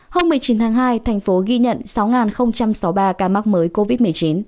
hôm một mươi chín tháng hai thành phố ghi nhận sáu sáu mươi ba ca mắc mới covid một mươi chín